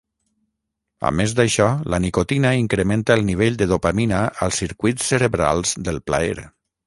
A més d'això, la nicotina incrementa el nivell de dopamina als circuits cerebrals del plaer.